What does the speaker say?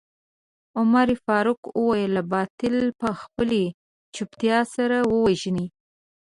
عمر فاروق وويل باطل په خپلې چوپتيا سره ووژنئ.